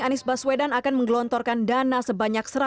anies baswedan akan menggelontorkan dana sebanyak